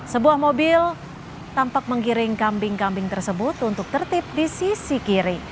sebuah mobil tampak menggiring kambing kambing tersebut untuk tertip di sisi kiri